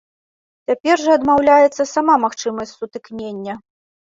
Цяпер жа адмаўляецца сама магчымасць сутыкнення.